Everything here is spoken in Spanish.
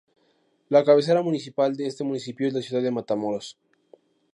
La cabecera municipal de este municipio es la ciudad de Matamoros.